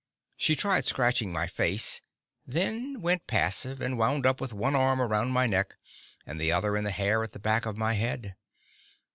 She tried scratching my face, then went passive, and wound up with one arm around my neck and the other in the hair at the back of my head.